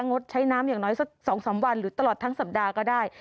งดใช้น้ำอย่างน้อยสัก๒๓วันหรือตลอดทั้งสัปดาห์ก็ได้